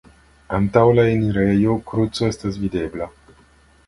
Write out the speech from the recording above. Antaŭ la enirejo kruco estas videbla.